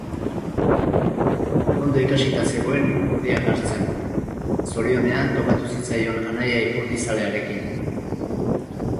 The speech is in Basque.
Ondo ikasita zegoen ipurdia jartzen, zorionean tokatu zitzaion anaia ipurdizale harekin.